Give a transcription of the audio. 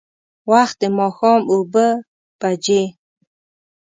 وخت د ماښام اوبه بجې.